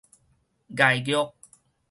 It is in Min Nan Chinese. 礙虐